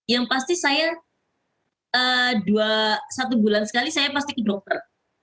yang pasti saya satu bulan sekali saya pasti ke dokter